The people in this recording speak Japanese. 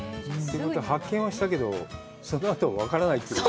発見はしたけど、その後は分からないということ。